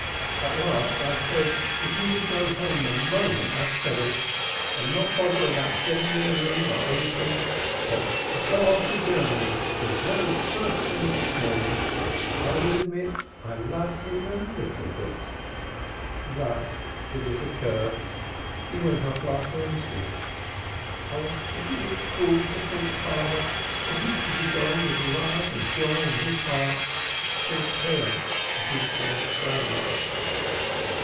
At last I said if he would go home the moment I said it and not bother about getting me a ring or anything, but go off to Germany the first thing the next morning, I would admit I loved him a little bit. Thus did it occur. He went off last Wednesday. Oh, isn't it cruel to think, father, that he should be going with love and joy in his heart to the parents of his dead friend!"